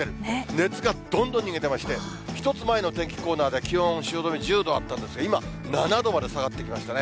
熱がどんどん逃げてまして、１つ前の天気コーナーで、気温、汐留１０度あったんですが、今、７度まで下がってきましたね。